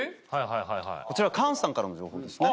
こちら菅さんからの情報ですね。